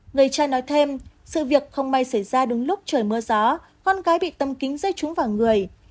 người trai nói thêm sự việc không may xảy ra đúng lúc trời mưa gió con cái bị tâm kính rơi trúng vào người